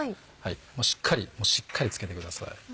もうしっかりしっかり付けてください。